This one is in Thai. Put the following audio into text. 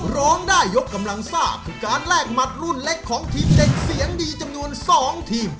ร้องได้ยกกำลังซ่าคือการแลกหมัดรุ่นเล็กของทีมเด็กเสียงดีจำนวน๒ทีม